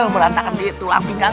berantakan di tulang pinggang